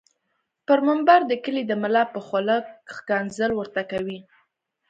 پر منبر د کلي دملا په خوله ښکنځل ورته کوي